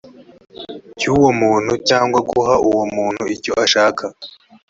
cy uwo muntu cyangwa guha uwo muntu icyo ashaka